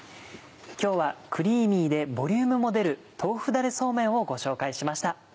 今日はクリーミーでボリュームも出る「豆腐だれそうめん」をご紹介しました。